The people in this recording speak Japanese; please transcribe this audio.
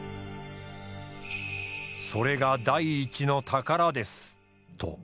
それが第一の宝です」と。